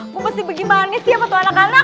gua pasti pergi manis ya kemana tuh anak anak